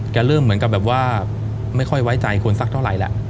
เริ่มเหมือนกับแบบว่าไม่ค่อยไว้ใจคนสักเท่าไหร่แหละ